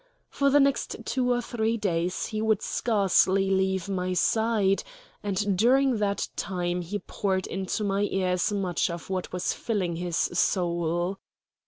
For the next two or three days he would scarcely leave my side; and during that time he poured into my ears much of what was filling his soul.